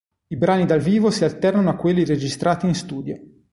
I brani dal vivo si alternano a quelli registrati in studio.